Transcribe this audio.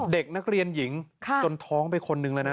เด็กนักเรียนหญิงจนท้องไปคนนึงแล้วนะ